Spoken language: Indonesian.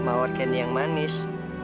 mawar kenny yang manis